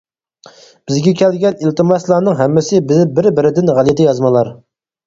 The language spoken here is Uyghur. بىزگە كەلگەن ئىلتىماسلارنىڭ ھەممىسى بىر-بىرىدىن غەلىتە يازمىلار.